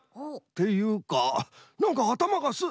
っていうかなんかあたまがス。